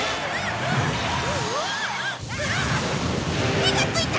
火がついた！